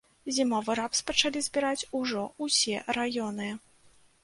Зімовы рапс пачалі збіраць ужо ўсе раёны.